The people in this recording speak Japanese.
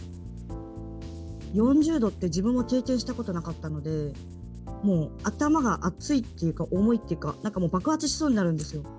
４０度って自分も経験したことなかったので、もう、頭が熱いっていうか、重いっていうか、なんかもう、爆発しそうになるんですよ。